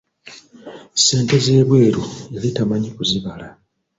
Ssente z'ebweru yali tamanyi kuzibala.